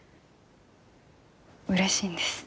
うれしいんです